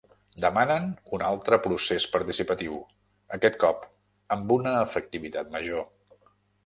Demanen un altre procés participatiu, aquest cop amb una efectivitat major.